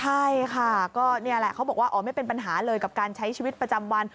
ใช่ค่ะก็นี่แหละเขาบอกว่าอ๋อไม่เป็นปัญหาเลยกับการใช้ชีวิตประจำวัน